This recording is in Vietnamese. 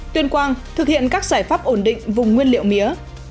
tuyên quang thực hiện các giải pháp ổn định vùng nguyên liệu mía